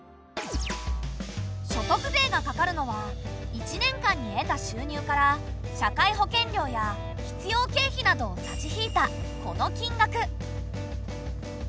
所得税がかかるのは１年間に得た収入から社会保険料や必要経費などを差し引いたこの金額。